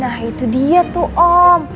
nah itu dia tuh om